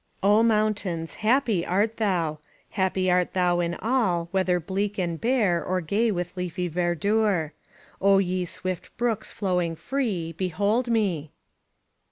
... O mountains! happy art thou! — happy art thou in all, whether bleak and bare, or gay with leafy verdure! O ye swift brooks flowing free, behold me!